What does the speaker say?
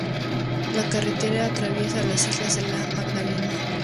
La carretera atraviesa las islas de la Magdalena.